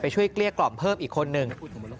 ช่วยเกลี้ยกล่อมเพิ่มอีกคนนึง